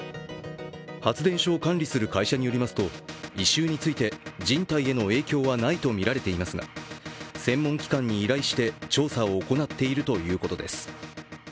発電所を管理する会社によりますと異臭について人体への影響はないとみられていますが専門機関に依頼して調査を行っているということです。